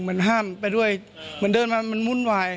เหมือนห้ามไปด้วยเหมือนเดินมามันวุ่นวาย